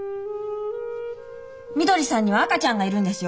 みどりさんには赤ちゃんがいるんですよ。